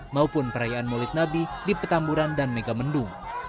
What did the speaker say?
maupun perayaan maulid nabi di petamburan dan megamendung